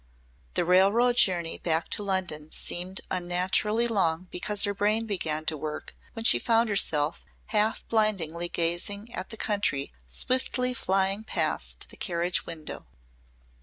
The railroad journey back to London seemed unnaturally long because her brain began to work when she found herself half blindly gazing at the country swiftly flying past the carriage window.